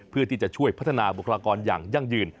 เพื่อที่จะช่วยพัฒนาบุคลากรอย่างยั่งยืน